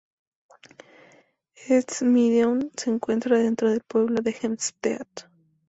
East Meadow se encuentra dentro del pueblo de Hempstead.